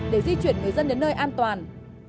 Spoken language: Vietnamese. để di chuyển người dân đến nơi an toàn